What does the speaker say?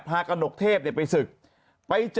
พระกนกเทพไปศึกไปเจอ